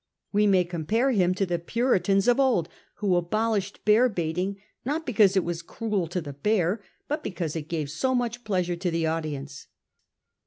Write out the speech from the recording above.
We may compare him to the Puritans of old, who abolished bear baiting, not because it was cruel to the bear, but because it gave so much pleasure to the audience.